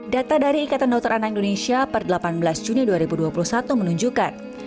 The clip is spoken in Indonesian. data dari ikatan dokter anak indonesia per delapan belas juni dua ribu dua puluh satu menunjukkan